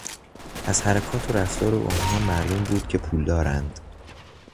از حرکات و رفتار آنها معلوم بود که پولدارند.